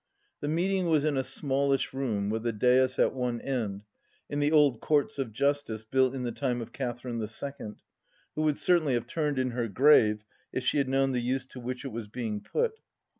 The meeting was in a smallish room, with a dais at one end, in the old Courts of Justice built in the time of Catherine the Second, who would certainly have turned in her grave if she had known the use to which it was being put.